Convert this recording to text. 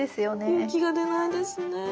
勇気が出ないですね。